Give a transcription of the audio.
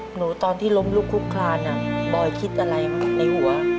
หนูตอนที่ล้มลุกคุกคลานบอยคิดอะไรในหัว